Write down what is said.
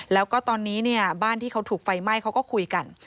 แล้วก็ตอนนี้เนี่ยบ้านที่เขาถูกไฟไหม้เขาก็คุยกัน